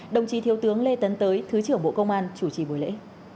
đồng chí thiếu tướng lê tấn tới thứ trưởng bộ công an chủ trì buổi lễ